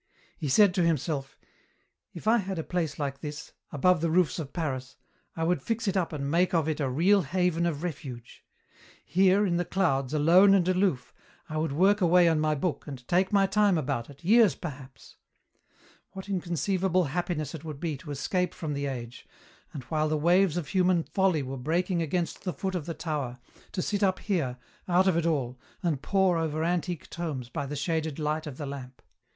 He said to himself, "If I had a place like this, above the roofs of Paris, I would fix it up and make of it a real haven of refuge. Here, in the clouds, alone and aloof, I would work away on my book and take my time about it, years perhaps. What inconceivable happiness it would be to escape from the age, and, while the waves of human folly were breaking against the foot of the tower, to sit up here, out of it all, and pore over antique tomes by the shaded light of the lamp."